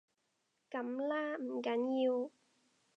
噉啦，唔緊要